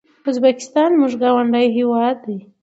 ازبکستان زموږ ګاونډی هيواد ده